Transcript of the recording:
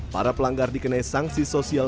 para pelanggar dikenai sanksi sosial